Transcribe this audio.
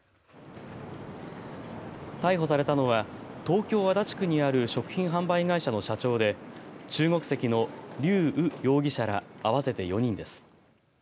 逮捕されたのは東京、足立区にある食品販売会社の社長で中国籍の劉禹容疑者ら合わせて４人です。